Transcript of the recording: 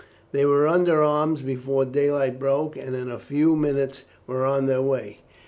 They were under arms before daylight broke, and in a few minutes were on the way.